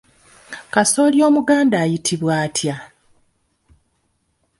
Kasooli Omuganda ayitibwa atya?